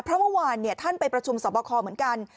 เพราะวันท่านไปประชุมสมบครเหมือนกัน